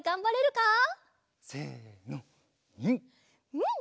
うん！